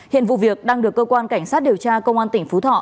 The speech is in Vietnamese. hiện vụ việc đang được cơ quan cảnh sát điều tra công an tỉnh phú thọ